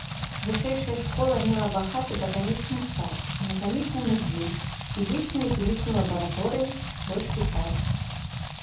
Вышэйшая школа мела багаты батанічны сад, анатамічны музей, фізічную і хімічную лабараторыі, свой шпіталь.